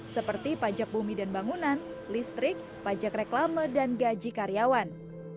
seperti pajak bumi dan bangunan listrik pajak reklame dan gaji karyawan